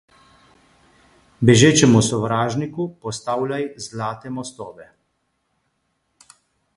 Bežečemu sovražniku postavljaj zlate mostove.